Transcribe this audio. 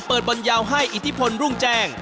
เปิดบอลยาวให้อิทธิพลรุ่งแจ้ง